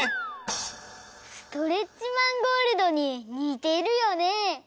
ストレッチマンゴールドににてるよね！